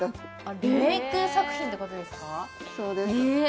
リメイク作品ってことですか。